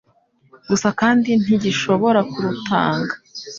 gusa kandi ntigishobora kurutanga